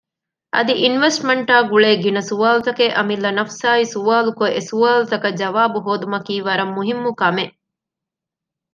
އަދި އިންވެސްޓްމަންޓާ ގުޅޭ ގިނަ ސުވާލުތަކެއް އަމިއްލަ ނަފުސާއި ސުވާލުކޮށް އެސުވާލުތަކަށް ޖަވާބު ހޯދުމަކީ ވަރަށް މުހިންމު ކަމެއް